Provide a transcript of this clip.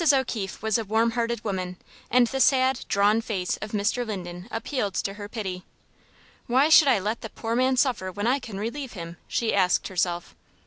O'Keefe was a warm hearted woman, and the sad, drawn face of Mr. Linden appealed to her pity. "Why should I let the poor man suffer when I can relieve him?" she asked herself.